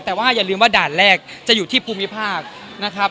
แต่ว่าอย่าลืมว่าด่านแรกจะอยู่ที่ภูมิภาคนะครับ